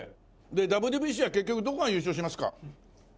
ＷＢＣは結局どこが優勝しますか？